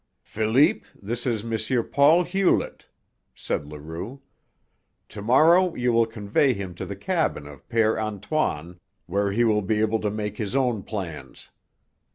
"Philippe, this is M. Paul Hewlett," said Leroux. "To morrow you will convey him to the cabin of Père Antoine, where he will be able to make his own plans.